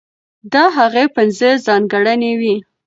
دا هغه پنځه ځانګړنې وې،